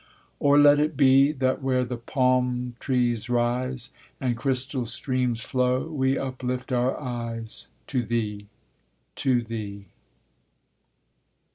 Or let it be, That where the palm trees rise, And crystal streams flow, we uplift our eyes To Thee! to Thee!